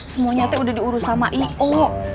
semuanya teh udah diurus sama iyo